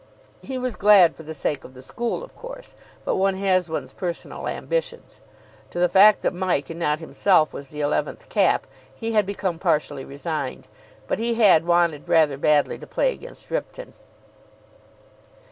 He was glad for the sake of the school, of course, but one has one's personal ambitions. To the fact that Mike and not himself was the eleventh cap he had become partially resigned: but he had wanted rather badly to play against Ripton.